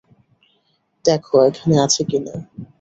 দেখ এখানে আছে কিনা!